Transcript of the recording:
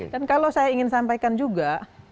dan kalau saya ingin sampaikan juga